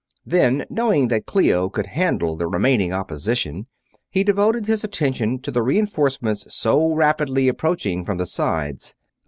Then, knowing that Clio could handle the remaining opposition, he devoted his attention to the reenforcements so rapidly approaching from the sides.